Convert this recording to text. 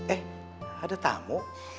eh ada tamu